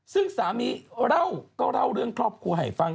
ซึ่งสามีเล่าก็เล่าเรื่องครอบครัวให้ฟัง